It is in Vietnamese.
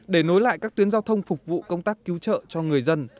để nối lại các tuyến giao thông phục vụ công tác cứu trợ cho người dân